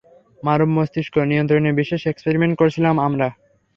মানব মস্তিষ্ক নিয়ন্ত্রণের বিশেষ এক্সপেরিমেন্ট করছিলাম আমরা।